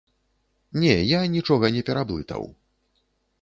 Не, я нічога не пераблытаў.